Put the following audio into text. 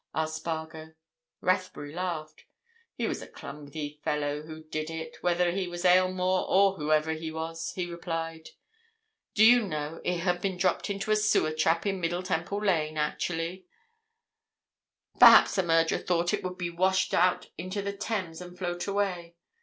asked Spargo. Rathbury laughed. "He was a clumsy fellow who did it, whether he was Aylmore or whoever he was!" he replied. "Do you know, it had been dropped into a sewer trap in Middle Temple Lane—actually! Perhaps the murderer thought it would be washed out into the Thames and float away.